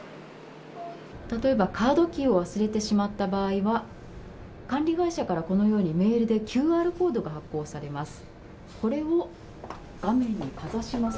例えば、カードキーを忘れてしまった場合は、管理会社から、このようなメールでＱＲコードが発行されます。